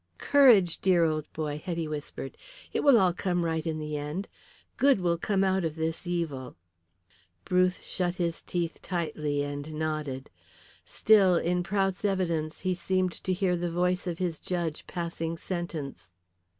"Courage, dear old boy," Hetty whispered. "It will all come right in the end. Good will come out of this evil." Bruce shut his teeth tightly and nodded. Still, in Prout's evidence he seemed to hear the voice of his judge passing sentence.